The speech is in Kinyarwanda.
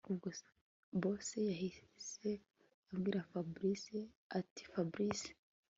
Ubwo boss yahise abwira Fabric atiFabric